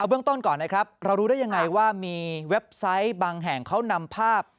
เบื้องต้นก่อนนะครับเรารู้ได้ยังไงว่ามีเว็บไซต์บางแห่งเขานำภาพ